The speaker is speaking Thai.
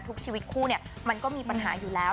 ทุกชีวิตคู่เนี่ยมันก็มีปัญหาอยู่แล้ว